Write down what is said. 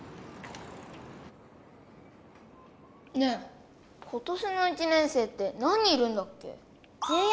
ねえ今年の一年生って何人いるんだっけ？